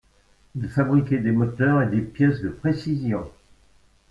Il fabriquait des moteurs et des pièces de précision.